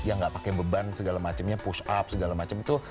ya gak pakai beban segala macemnya push up segala macem itu